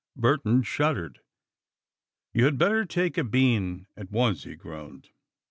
Burton shuddered "You had better take a bean at once," he groaned.